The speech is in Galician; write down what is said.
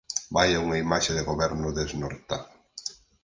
Vaia unha imaxe de goberno desnortado!